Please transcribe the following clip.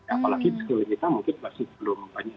apalagi kalau kita mungkin masih belum banyak